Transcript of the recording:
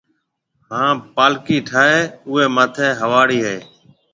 ھان پالڪِي ٺائيَ اوئيَ ماٿيَ ھواڙيَ ھيََََ